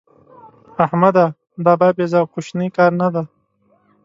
احمده! دا بابېزه او کوشنی کار نه دی.